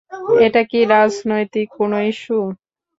এটা কি রাজনৈতিক কোন ইস্যু?